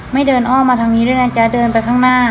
ไม่เดินอ้อมมาทางนี้ด้วยนะจ๊ะเดินไปข้างหน้า